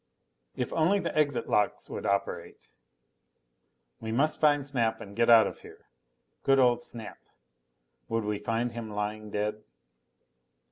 If only the exit locks would operate! We must find Snap and get out of here. Good old Snap! Would we find him lying dead?